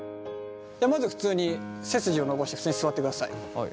まず普通に背筋を伸ばして普通に座ってください。